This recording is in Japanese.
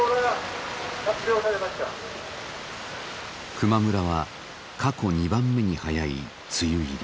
球磨村は過去２番目に早い梅雨入り。